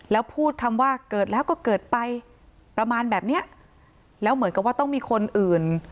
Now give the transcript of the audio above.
แล้วพูดคำว่าเกิดแล้วก็เกิดไปประมาณแบบเนี้ยแล้วเหมือนกับว่าต้องมีคนอื่น